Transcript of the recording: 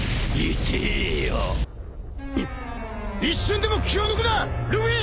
一瞬でも気を抜くなルフィ！